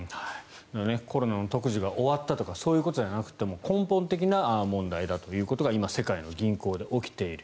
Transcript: コロナの特需が終わったとかそういうことではなくて根本的な問題だということが今、世界の銀行で起きている。